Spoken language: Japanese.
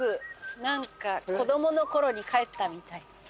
なんか子供の頃に帰ったみたい。